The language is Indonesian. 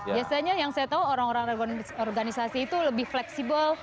biasanya yang saya tahu orang orang organisasi itu lebih fleksibel